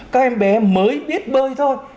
các em bé mới biết bơi thôi